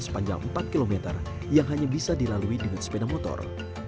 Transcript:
sepanjang empat km yang hanya bisa dilalui dengan sepeda motor